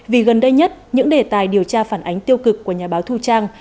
vì gần đây nhất những đề tài điều tra phản ánh tiêu cực của nhà báo thu trang